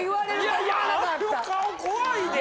いやいやあの顔怖いで。